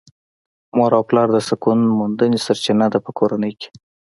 مور او پلار د سکون موندلې سرچينه ده په کورنۍ کې .